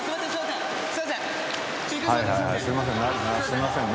すいません。